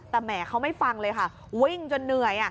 แต่แหมเขาไม่ฟังเลยค่ะวิ่งจนเหนื่อย